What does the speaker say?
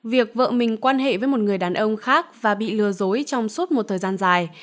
việc vợ mình quan hệ với một người đàn ông khác và bị lừa dối trong suốt một thời gian dài